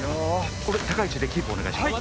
これ高い位置でキープお願いします